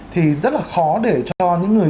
thì rất là khó để cho những người